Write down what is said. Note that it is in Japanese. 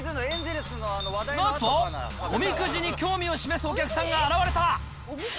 なんとおみくじに興味を示すお客さんが現れた。